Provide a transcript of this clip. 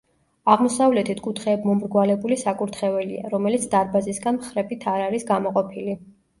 აღმოსავლეთით კუთხეებმომრგვალებული საკურთხეველია, რომელიც დარბაზისგან მხრებით არ არის გამოყოფილი.